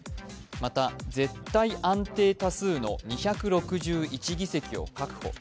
また、絶対安定多数の２６１議席を確保。